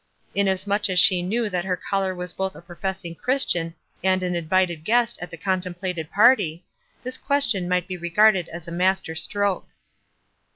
Inasmuch as she knew thai her caller was both a professing Christian and an invited guest at the contemplated party, this question might be regarded as a masterstroke.